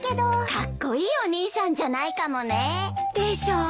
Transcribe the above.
カッコイイお兄さんじゃないかもね。でしょう。